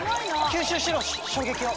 吸収しろ衝撃を。